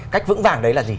cách vững vàng đấy là gì